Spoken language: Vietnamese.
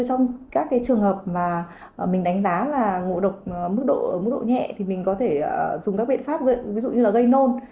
trong các trường hợp mà mình đánh giá là ngộ độc mức độ nhẹ thì mình có thể dùng các biện pháp ví dụ như là gây nôn